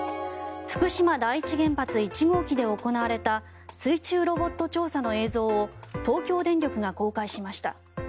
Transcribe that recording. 福島第一原発１号機で行われた水中ロボット調査の映像を東京電力が公開しました。